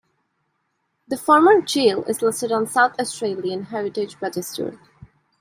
The former jail is listed on South Australian Heritage Register.